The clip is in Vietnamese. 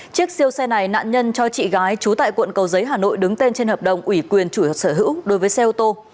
chiếc siêu xe này nạn nhân cho chị gái trú tại quận cầu giấy hà nội đứng tên trên hợp đồng ủy quyền chủ hợp sở hữu đối với xe ô tô